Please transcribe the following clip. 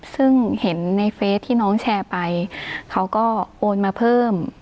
ซึ่งเห็นในเฟสที่น้องแชร์ไปเขาก็โอนมาเพิ่ม